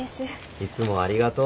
いつもありがとう。